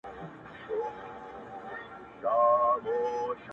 وزیر وویل زما سر ته دي امان وي؛